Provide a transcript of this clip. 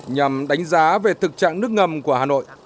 nhằm đánh giá về thực trạng nước ngầm của hà nội